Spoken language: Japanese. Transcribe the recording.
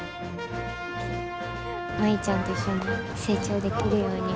舞ちゃんと一緒に成長できるように。